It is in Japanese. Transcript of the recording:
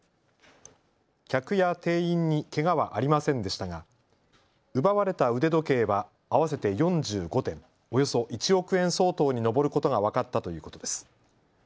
客や店員にけがはありませんでしたが奪われた腕時計は合わせて４５点、およそ１億円相当に上ることが分かったということです。